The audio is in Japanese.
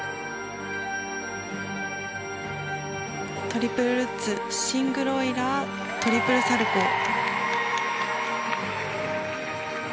トリプルルッツシングルオイラートリプルサルコウ。